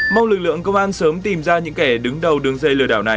mong lực lượng công an sớm tìm ra những kẻ đứng đầu đường dây lừa đảo này